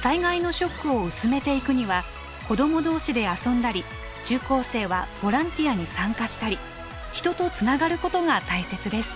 災害のショックを薄めていくには子ども同士で遊んだり中高生はボランティアに参加したり人とつながることが大切です。